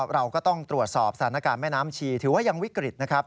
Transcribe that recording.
เราก็ต้องตรวจสอบสถานการณ์แม่น้ำชีถือว่ายังวิกฤตนะครับ